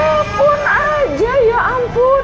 ya ampun aja ya ampun